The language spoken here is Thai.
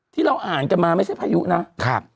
ที่เราอ่านกันมาไม่ใช่พายุนะครับ